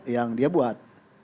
yang dia buat